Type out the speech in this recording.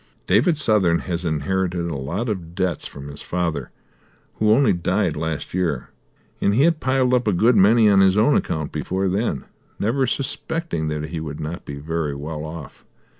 "David Southern has inherited a lot of debts from his father, who only died last year, and he had piled up a good many on his own account before then, never suspecting that he would not be very well off.